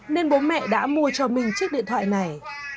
nên bố mẹ đã mua cho minh chiếc điện thoại này